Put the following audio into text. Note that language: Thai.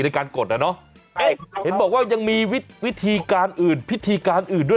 ในการกดอ่ะเนอะเอ๊ะเห็นบอกว่ายังมีวิธีการอื่นพิธีการอื่นด้วย